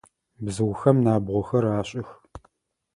Бзыухэм набгъохэр ашӏых.